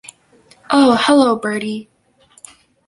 Oh, hullo, Bertie.